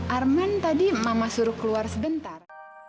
arman tadi mama suruh keluar sebentar